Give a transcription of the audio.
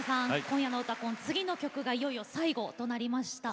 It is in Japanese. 今夜の「うたコン」次の曲がいよいよ最後となりました。